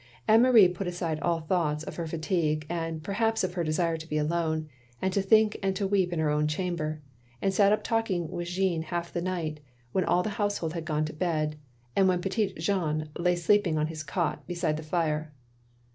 Anne Marie put aside all thoughts of her fatigue and, perhaps, of her desire to be alone, and to think and to weep in her own chamber, and sat up talking with Jeanne half the night when all the household had gone to bed, and when petit Jean lay sleeping in his cot beside the fire.